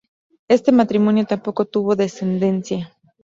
Este matrimonio tampoco tuvo descendencia.